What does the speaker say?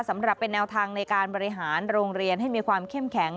สำหรับเป็นแนวทางในการบริหารโรงเรียนให้มีความเข้มแข็ง